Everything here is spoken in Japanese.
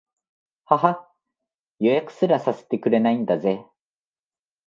ははっ、予約すらさせてくれないんだぜ